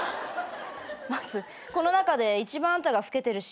まずこの中で一番あんたが老けてるし。